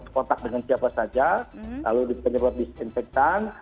kontak dengan siapa saja lalu penyebab disinfektan